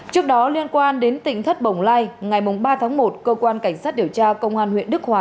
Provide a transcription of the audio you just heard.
trước đó liên quan đến tỉnh thất bồng lai ngày ba tháng một cơ quan cảnh sát điều tra công an huyện đức hòa